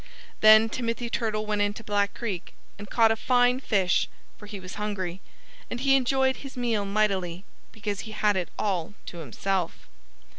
Then Timothy Turtle went into Black Creek and caught a fine fish, for he was hungry. And he enjoyed his meal mightily, because he had it all to himself.